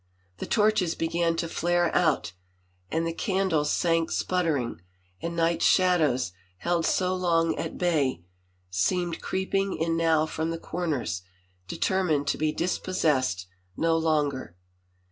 The torches began to flare out, and the candles sank sputtering, and night's shadows, held so long at bay, seemed creeping in now from the comers, determined to be dispossessed no longer.